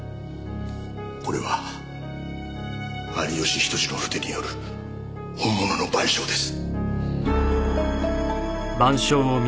これは有吉比登治の筆による本物の『晩鐘』です。